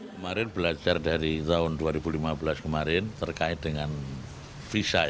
kemarin belajar dari tahun dua ribu lima belas kemarin terkait dengan visa